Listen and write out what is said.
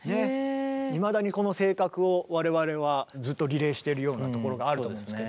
いまだにこの性格を我々はずっとリレーしてるようなところがあると思うんですけど。